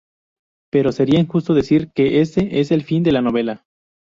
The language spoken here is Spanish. Pero sería injusto decir que ese es el fin de la novela.